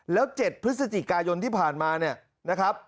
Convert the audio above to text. แล้ว๗พฤศจิกายนที่ผ่านมาเนี่ยนะครับ